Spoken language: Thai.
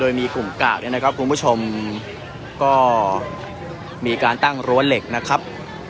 โดยมีกลุ่มกาดเนี่ยนะครับคุณผู้ชมก็มีการตั้งรั้วเหล็กนะครับ